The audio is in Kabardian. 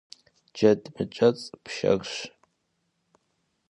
Джэд мыкӀэцӀ пшэрщ.